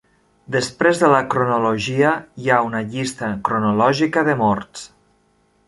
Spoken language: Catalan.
Després de la cronologia hi ha una llista cronològica de morts.